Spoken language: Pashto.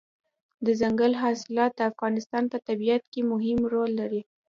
دځنګل حاصلات د افغانستان په طبیعت کې مهم رول لري.